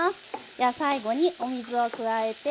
では最後にお水を加えて。